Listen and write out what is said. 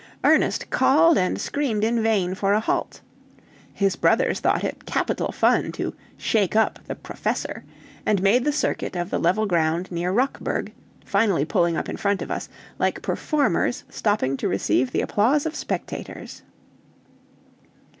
Ernest called and screamed in vain for a halt. His brothers thought it capital fun to "shake up" the "professor," and made the circuit of the level ground near Rockburg, finally pulling up in front of us, like performers stopping to receive the applause of spectators.